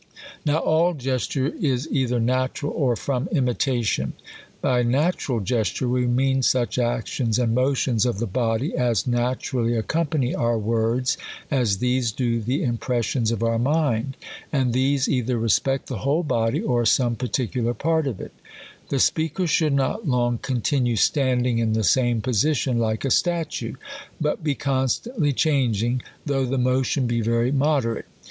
Now all gesture is either natural, or from imitation. By natural gesture, we mean such actions and motions of the body, as naturally accom pany our words, as these do the impressions of our mind. And these either respect the whole body, or some particular part of it; The speaker should not long continue standing in the same position, like a statue, but be constantly changing, though the motion be very moderate.